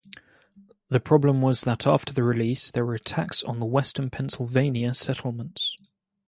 The problem was that after the release there were attacks on western Pennsylvania settlements.